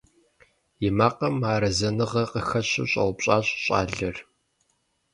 И макъым мыарэзыныгъэ къыхэщу щӀэупщӀащ щӀалэр.